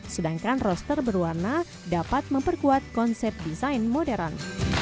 sedangkan roster berwarna dapat memperkuat konsep desain modern